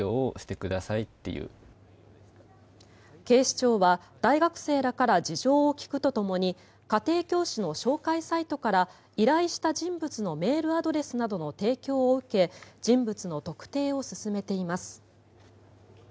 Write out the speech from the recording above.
警視庁は、大学生らから事情を聴くとともに家庭教師の紹介サイトから依頼した人物のメールアドレスなどの提供を受け人物の特定を進めています。